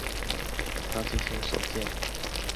高季兴所建。